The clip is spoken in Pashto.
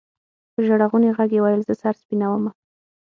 په ژړغوني ږغ يې ويل زه سر سپينومه.